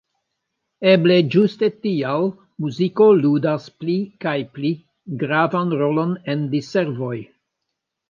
Eble ĝuste tial muziko ludas pli kaj pli gravan rolon en diservoj.